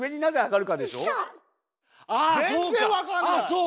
そう！